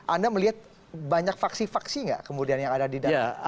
anda melihat banyak faksi faksi nggak kemudian yang ada di dalam